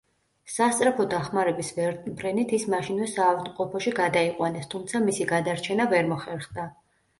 სასწრაფო დახმარების ვერტმფრენით ის მაშინვე საავადმყოფოში გადაიყვანეს, თუმცა მისი გადარჩენა ვერ მოხერხდა.